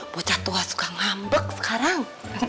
bocah tua suka ngambek sekarang